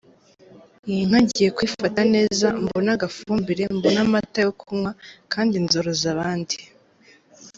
Iyi nka ngiye kuyifata neza mbone agafumbire, mbone amata yo kunywa, kandi nzoroza abandi”.